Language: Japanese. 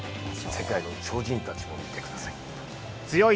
世界の超人たちも見てください。